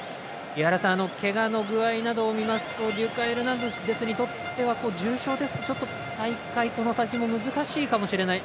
けがの具合などをみますとリュカ・エルナンデスにとっては重傷ですと、大会、この先も難しいかもしれない。